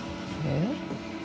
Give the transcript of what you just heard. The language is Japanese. えっ？